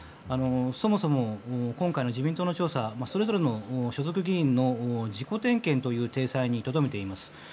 そもそも、今回の自民党の調査はそれぞれの所属議員の自己点検という体裁にとどめています。